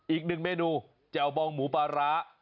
อีกหนึ่งเมนูแจ่วบองหมูปลาร้า